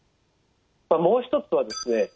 もう一つはですね